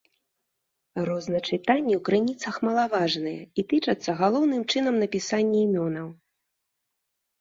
Розначытанні ў крыніцах малаважныя і тычацца галоўным чынам напісанні імёнаў.